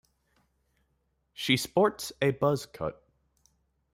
She sports a buzz cut.